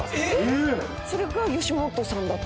それが吉本さんだった？